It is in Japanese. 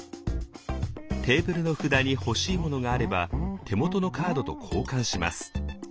テーブルの札に欲しいものがあれば手元のカードと交換します。